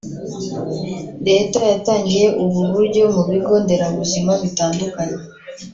Leta yatangiye ubu buryo mu bigo nderabuzima bitandukanye